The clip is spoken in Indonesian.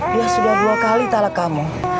dia sudah dua kali talak kamu